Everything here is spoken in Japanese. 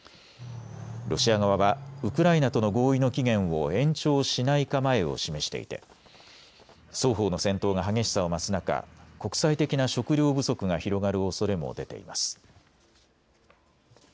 ロシア側はウクライナとの合意の期限を延長しない構えを示していて双方の戦闘が激しさを増す中、国際的な食料不足が広がるおそれも出ています。